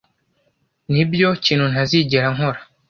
Nibyo kintu ntazigera nkora.